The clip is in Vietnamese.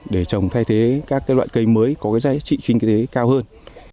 để trồng thay thế các loại cây mới có giá trị kinh tế cao hơn